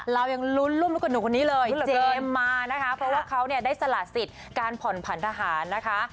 เรายังลุ้นร่วมลูกกับหนูคนนี้เลยเจมส์มานะคะเพราะว่าเขาเนี่ยได้สละสิทธิ์การผ่อนผันทหารนะคะ